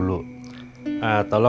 mamin mau tahu